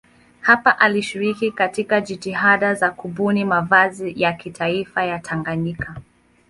Hapa alishiriki katika jitihada za kubuni mavazi ya kitaifa ya Tanganyika.